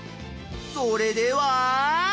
それでは。